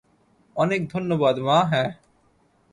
অনেক, ধন্যবাদ, মা - হ্যাঁ।